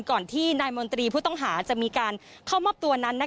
ก่อนที่นายมนตรีผู้ต้องหาจะมีการเข้ามอบตัวนั้น